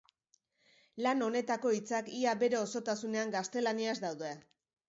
Lan honetako hitzak ia bere osotasunean gaztelaniaz daude.